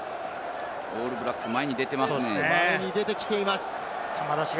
オールブラックス、前に出ていますね。